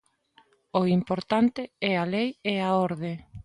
O importante é a lei e a orde.